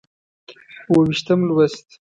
اووه ویشتم لوست